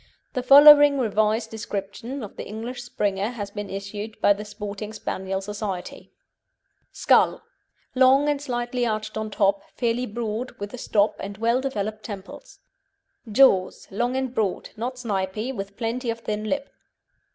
The following revised description of the English Springer has been issued by the Sporting Spaniel Society: SKULL Long and slightly arched on top, fairly broad, with a stop, and well developed temples. JAWS Long and broad, not snipy, with plenty of thin lip.